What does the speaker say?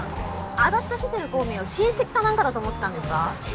私とシセル光明を親戚かなんかだと思ってたんですか？